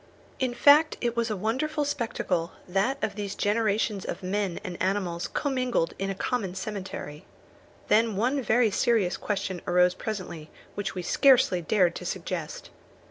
In fact it was a wonderful spectacle, that of these generations of men and animals commingled in a common cemetery. Then one very serious question arose presently which we scarcely dared to suggest.